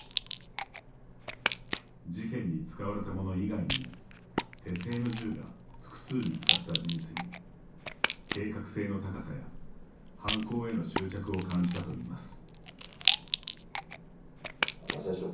事件に使われたもの以外にも手製の銃が複数見つかった事実に計画性の高さや犯行への執着を感じたといいます。